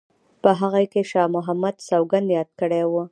په هغه کې شاه محمد سوګند یاد کړی وو.